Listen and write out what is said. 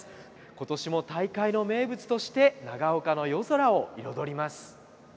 今年も大会の名物として長岡の夜空を彩ります。